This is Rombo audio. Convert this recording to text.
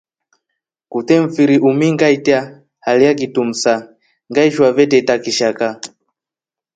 Kute mfiri umu ngaita halya kitumsa ngaishwa veteta kishaka.